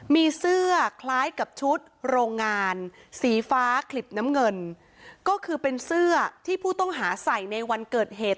มีเสื้อคล้ายกับชุดโรงงานสีฟ้าขลิบน้ำเงินก็คือเป็นเสื้อที่ผู้ต้องหาใส่ในวันเกิดเหตุ